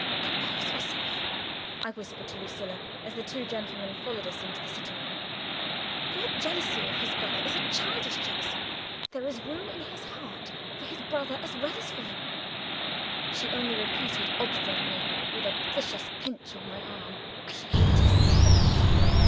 "Compose yourself," I whispered to Lucilla as the two gentlemen followed us into the sitting room. "Your jealousy of his brother is a childish jealousy. There is room enough in his heart for his brother as well as for you." She only repeated obstinately, with a vicious pinch on my arm, "I hate his brother!"